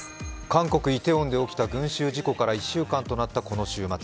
韓国イテウォンで起きた群集事故から１週間となったこの週末